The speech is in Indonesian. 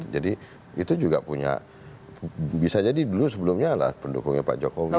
jadi itu juga punya bisa jadi dulu sebelumnya adalah pendukungnya pak joko widodo